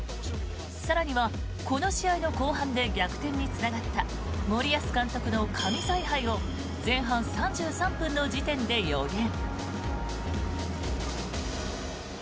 更には、この試合の後半で逆転につながった森保監督の神采配を前半３３分の時点で予言。